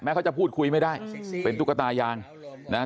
เขาจะพูดคุยไม่ได้เป็นตุ๊กตายางนะฮะ